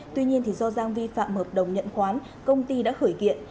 tuy nhiên do giang vi phạm hợp đồng nhận khoán công ty đã khởi kiện